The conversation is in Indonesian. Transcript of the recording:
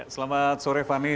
selamat sore fani